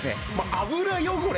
油汚れ